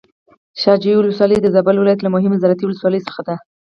شاه جوی ولسوالي د زابل ولايت له مهمو زراعتي ولسواليو څخه ده.